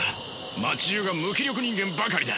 街じゅうが無気力人間ばかりだ。